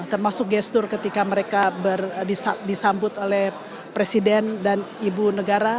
termasuk gestur ketika mereka disambut oleh presiden dan ibu negara